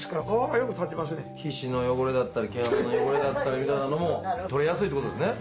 皮脂の汚れだったり毛穴の汚れだったりみたいなのも取れやすいってことですね。